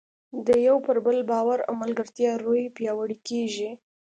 د یو پر بل باور او ملګرتیا روحیه پیاوړې کیږي.